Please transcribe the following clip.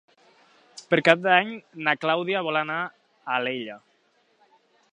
Per Cap d'Any na Clàudia vol anar a Alella.